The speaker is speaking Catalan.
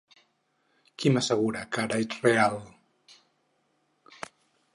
Qui m'assegura que ara ets real?